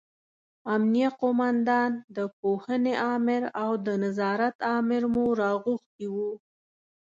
امینه قوماندان، د پوهنې امر او د نظارت امر مو راغوښتي وو.